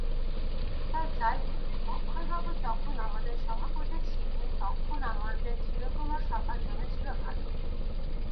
তা যাই বল, অক্ষয়বাবু যখন আমাদের সভাপতি ছিলেন তখন আমাদের চিরকুমার-সভা জমেছিল ভালো।